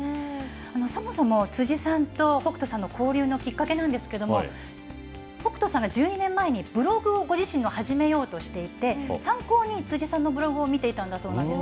そもそも辻さんと北斗さんの交流のきっかけなんですけれども、北斗さんが１２年前にブログをご自身で始めようとしていて、参考に辻さんのブログを見ていたんだそうです。